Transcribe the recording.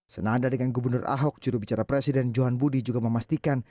senada dengan gubernur ahok jurubicara presiden johan budi juga memastikan